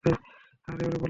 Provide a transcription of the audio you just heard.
আরে, ওরে বলতে দাও।